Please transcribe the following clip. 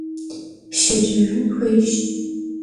Sêjejjın xuêyş.